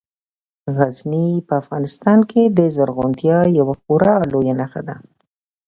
غزني په افغانستان کې د زرغونتیا یوه خورا لویه نښه ده.